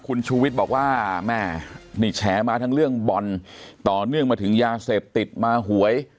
คุณชูวิทย์บอกว่าแม่นี่แฉมาทั้งเรื่องบอลต่อเนื่องมาถึงยาเสพติดมาหวย